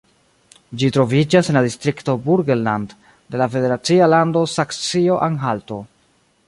Ĝi troviĝas en la distrikto Burgenland de la federacia lando Saksio-Anhalto.